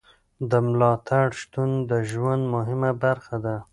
د ملاتړ شتون د ژوند مهمه برخه ده.